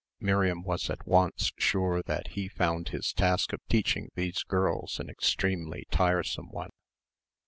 Miriam was at once sure that he found his task of teaching these girls an extremely tiresome one.